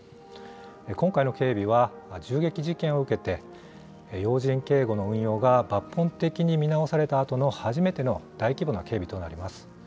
今回の警備は、銃撃事件を受けて、要人警護の運用が抜本的に見直されたあとの初めての大規模な警備となります。